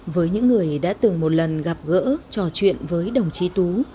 với những người đã từng một lần gặp gỡ trò chuyện với đồng chí tú